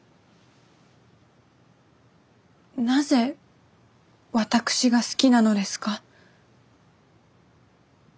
なぜ私が好きなのですか？